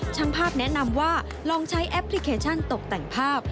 ช่างภาพแนะนำว่าลองใช้แอปพลิเคชันตกแต่งภาพ